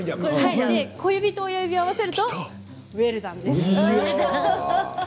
小指と親指を合わせるとウエルダンです。